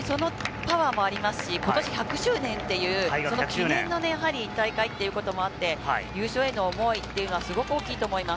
そのパワーもありますし、ことし１００周年という記念の大会ということもあって、優勝への思いというのはすごく大きいと思います。